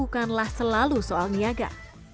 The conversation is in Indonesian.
bukanlah selalu soal niaga